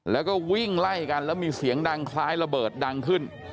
แล้วก็วิ่งไล่กันแล้วมีเสียงดังคล้ายระเบิดดังขึ้น